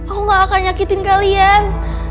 aku gak akan nyakitin kalian